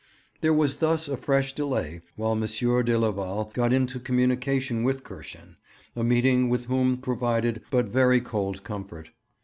There was thus a fresh delay while M. de Leval got into communication with Kirschen, a meeting with whom provided but very cold comfort.